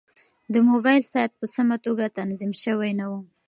د موبایل ساعت په سمه توګه تنظیم شوی نه و.